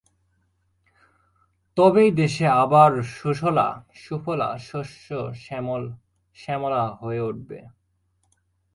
তবেই দেশ আবার সুজলা, সুফলা, শস্য-শ্যামলা হয়ে উঠবে।